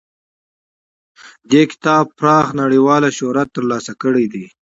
دې کتاب پراخ نړیوال شهرت ترلاسه کړی دی.